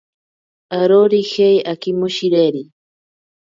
Arorijei akimoshireri.